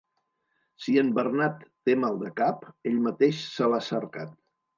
Si en Bernat té mal de cap, ell mateix se l'ha cercat.